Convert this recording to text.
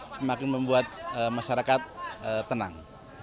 semakin membuat masyarakat tenang